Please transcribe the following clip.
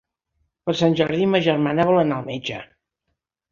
Per Sant Jordi ma germana vol anar al metge.